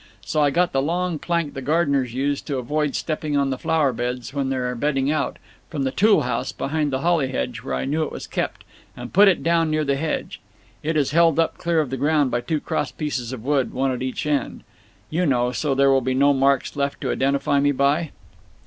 So I got the long plank the gardeners use to avoid stepping on the flower beds when they're bedding out, from the tool house behind the holly hedge where I knew it was kept, and put it down near the hedge. It is held up clear of the ground by two cross pieces of wood, one at each end, you know, so there would be no marks left to identify me by.